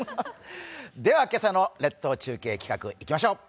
では今朝の列島中継企画いきましょう。